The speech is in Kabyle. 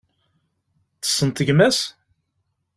Tessneḍ gma-s?